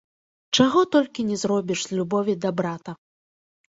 Чаго толькі не зробіш з любові да брата!